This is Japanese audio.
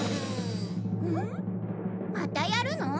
またやるの？